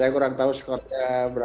saya kurang tahu skor nya berapa